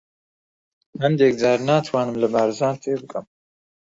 هەندێک جار ناتوانم لە بارزان تێبگەم.